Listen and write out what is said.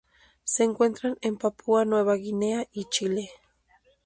Se encuentra en Papúa Nueva Guinea y Chile.